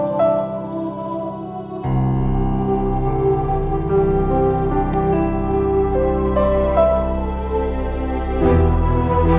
sampai jumpa di video selanjutnya